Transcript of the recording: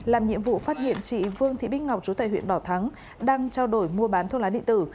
làm nhiệm vụ phát hiện chị vương thị bích ngọc trú tại huyện đỏ thắng đang trao đổi mua bán thuốc lá điện tử